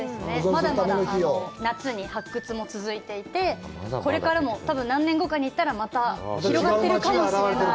まだまだ夏に発掘も続いていて、これからも、多分、何年後かに行ったら広がってるかもしれない。